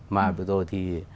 mà vừa rồi thì